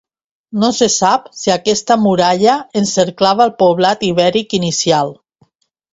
No se sap si aquesta muralla encerclava el poblat ibèric inicial.